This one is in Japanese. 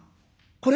これ？